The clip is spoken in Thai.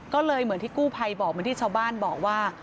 ก็เลยเหมือนที่กู้ภัยบอกเหมือนที่ชาวบ้านบอกว่า